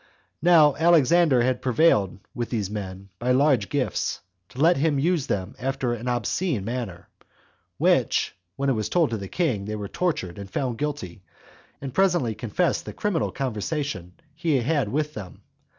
Now Alexander had prevailed with these men, by large gifts, to let him use them after an obscene manner; which, when it was told to the king, they were tortured, and found guilty, and presently confessed the criminal conversation he had with them.